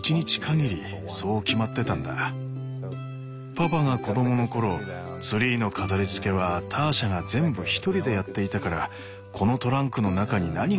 パパが子供の頃ツリーの飾りつけはターシャが全部１人でやっていたからこのトランクの中に何が入っているのか